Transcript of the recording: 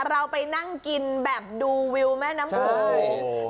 เราไปนั่งกินแบบดูวิวแม่น้ำโขง